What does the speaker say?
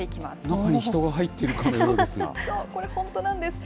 中に人が入っているかのようですが。